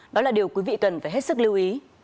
đó là điều quý vị cần phải hết sức lưu ý